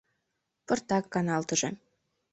— Пыртак каналтыже.